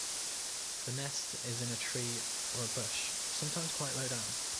The nest is in a tree or a bush, sometimes quite low down.